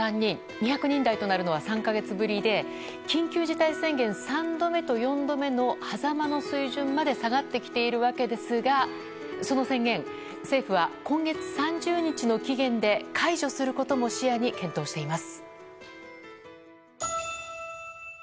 ２００人台となるのは３か月ぶりで緊急事態宣言３度目と４度目のはざまの水準まで下がってきているわけですがその宣言政府は今月３０日の期限で解除することも視野に検討しています。